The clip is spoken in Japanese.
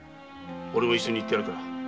俺も一緒に行ってやるから。